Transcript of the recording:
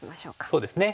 そうですね。